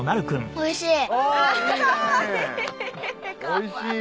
おいしい。